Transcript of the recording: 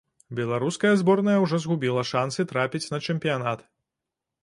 Беларуская зборная ужо згубіла шансы трапіць на чэмпіянат.